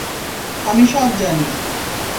আমি সব জানি।